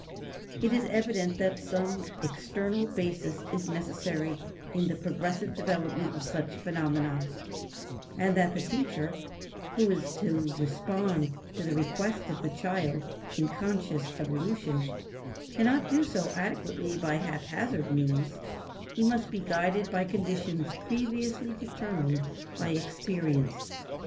It is evident that some external basis is necessary in the progressive development of such phenomena, and that the teacher, who is to respond to the requests of the child in conscious evolution, cannot do so adequately by haphazard means; he must be guided by conditions previously determined by experience.